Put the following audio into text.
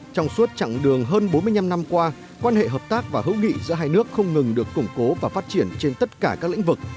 trong suốt chặng đường hơn bốn mươi năm năm qua quan hệ hợp tác và hữu nghị giữa hai nước không ngừng được củng cố và phát triển trên tất cả các lĩnh vực